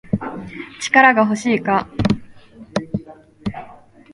力が欲しいか